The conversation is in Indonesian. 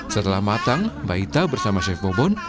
setelah matang mbak ita bersama chef bobon